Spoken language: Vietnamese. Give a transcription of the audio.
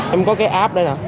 em có cái app đấy nè